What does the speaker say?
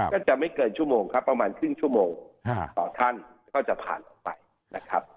ก็จะไม่เกินชั่วโมงครับประมาณครึ่งชั่วโมงต่อท่านก็จะผ่านออกไปนะครับ